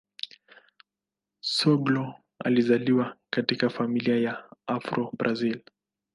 Soglo alizaliwa katika familia ya Afro-Brazil.